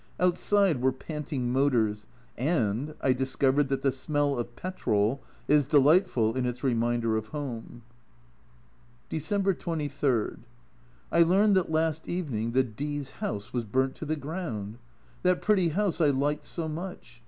Outside were panting motors, and I discovered that the smell of petrol is delightful in its reminder of home ! 252 A Journal from Japan December 23. I learn that last evening the D 's house was burnt to the ground ! That pretty house I liked so much